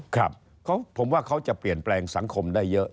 ครับผมว่าเขาจะเปลี่ยนแปลงสังคมได้เยอะ